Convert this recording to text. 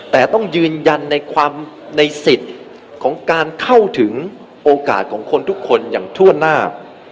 แต่ต้องยืนยันในความในสิทธิ์ของการเข้าถึงโอกาสของคนทุกคนอย่างทั่วหน้า